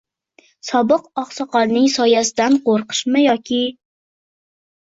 Sobiq oqsoqolning soyasidan qo`rqishmi yoki